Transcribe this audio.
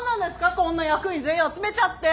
こんな役員全員集めちゃって。